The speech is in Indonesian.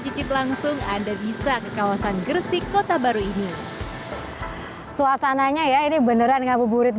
cicip langsung anda bisa ke kawasan gresik kota baru ini suasananya ya ini beneran ngabuburit